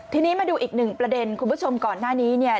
ทีนี้มาดูอีกหนึ่งประเด็นคุณผู้ชมก่อนหน้านี้เนี่ย